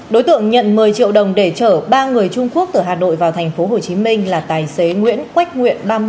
đối tượng nhận một mươi triệu đồng để chở ba người trung quốc từ hà nội vào thành phố hồ chí minh là tài xế nguyễn quách nguyện